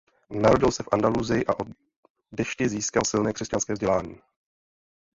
Narodil se v Andalusii a od dešti získal silné křesťanské vzdělání.